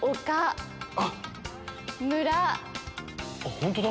本当だ。